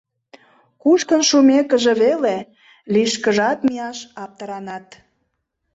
Кушкын шумекыже веле, лишкыжат мияш аптыранат.